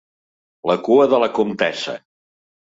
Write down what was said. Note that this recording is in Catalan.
La cua de la comtessa.